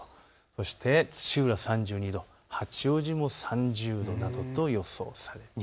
そして土浦３２度、八王子３０度などと予想されています。